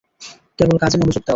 কেবল কাজে মনোযোগ দাও।